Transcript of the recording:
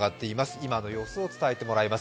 今の様子を伝えてもらいます。